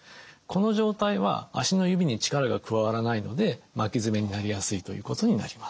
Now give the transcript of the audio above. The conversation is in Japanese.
この状態は足の指に力が加わらないので巻き爪になりやすいということになります。